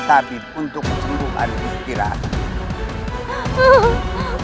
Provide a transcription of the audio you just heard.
tabib untuk kesembuhan justiraku